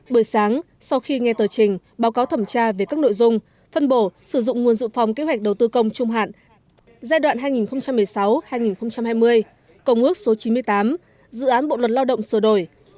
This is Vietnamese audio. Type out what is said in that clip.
bữa sáng sau khi nghe tờ trình báo cáo thẩm tra về các nội dung phân bổ sử dụng nguồn dự phòng kế hoạch đầu tư công trung hạn giai đoạn hai nghìn một mươi sáu hai nghìn hai mươi công ước số chín mươi tám dự án bộ luật lao động sửa đổi